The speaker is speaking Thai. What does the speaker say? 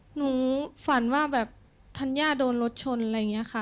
หนูฝันว่าแบบธัญญาโดนรถชนอะไรอย่างนี้ค่ะ